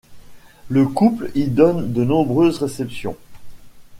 Le couple y donne de nombreuses réceptions.